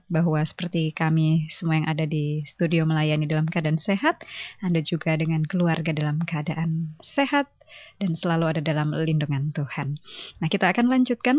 bawa sarok larut sata layu tunggu di hati anak tuhan